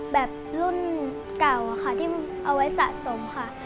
แบบรุ่นเก่าค่ะที่เอาไว้สะสมค่ะ